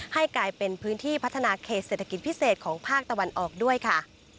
ให้กลายเป็นพื้นที่พัฒนาเขตเศรษฐกิจพิเศษของภาคตะวันออกด้วยค่ะ